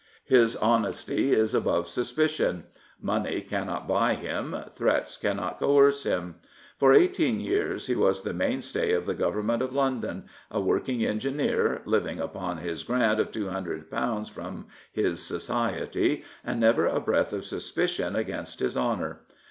His honesty is above suspicion. Money cannot buy him, threats cannot coerce him. For eighteen yeaxs he was the mainstay of the government of London, a working engineer, living upon his grant of £200 from his Society, and never a breath of suspicion against his honour.